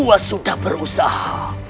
aku sudah berusaha